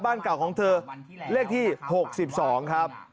บ้านเก่าของเธอเลขที่๖๒ครับ